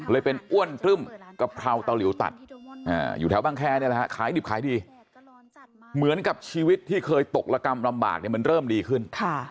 เป็นอ้วนตรึ่มกะเพราเตาหลิวตัดอยู่แถวบางแคร์นี่แหละฮะขายดิบขายดีเหมือนกับชีวิตที่เคยตกระกำลำบากเนี่ยมันเริ่มดีขึ้น